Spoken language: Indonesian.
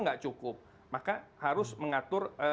nggak cukup maka harus mengatur